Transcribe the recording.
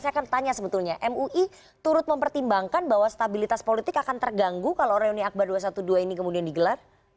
saya akan tanya sebetulnya mui turut mempertimbangkan bahwa stabilitas politik akan terganggu kalau reuni akbar dua ratus dua belas ini kemudian digelar